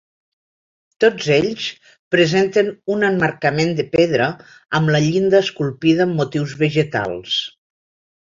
Tots ells presenten un emmarcament de pedra amb la llinda esculpida amb motius vegetals.